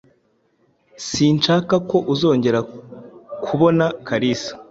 Sinshaka ko uzongera kubona Kalisa.